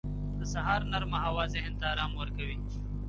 • د سهار نرمه هوا ذهن ته آرام ورکوي.